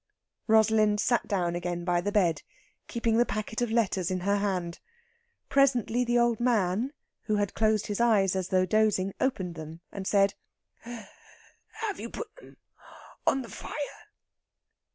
Rosalind sat down again by the bed, keeping the packet of letters in her hand. Presently the old man, who had closed his eyes as though dozing, opened them and said: "Have you put them on the fire?"